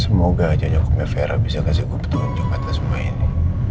semoga aja nyokapnya vera bisa kasih guptu untuk mata semua ini